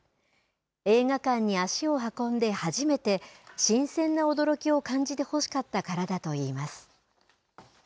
映画館に足を運んで初めて新鮮な驚きを感じてほしかったからだと言います。